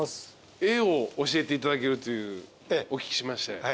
絵を教えていただけるとお聞きしまして。